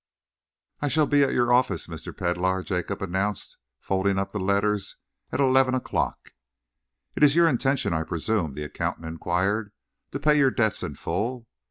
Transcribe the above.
"I shall be at your office, Mr. Pedlar," Jacob announced, folding up the letters, "at eleven o'clock." "It is your intention, I presume," the accountant enquired, "to pay your debts in full?"